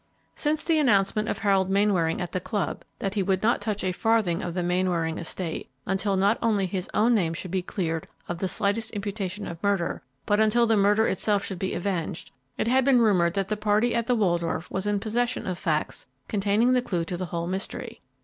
Since the announcement of Harold Mainwaring at the club that he would not touch a farthing of the Mainwaring estate until not only his own name should be cleared of the slightest imputation of murder, but until the murder itself should be avenged, it had been rumored that the party at the Waldorf was in possession of facts containing the clue to the whole mystery.